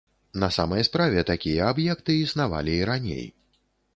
На самай справе, такія аб'екты існавалі і раней.